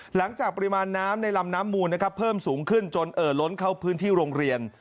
หลังจากปริมาณน้ำในลำน้ำมูลนะครับเพิ่มสูงขึ้นจนเอ่อล้นเข้าพื้นที่โรงเรียน